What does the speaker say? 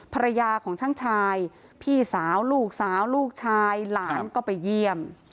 ภรรยาของช่างชายพี่สาวลูกสาวลูกชายหลานก็ไปเยี่ยม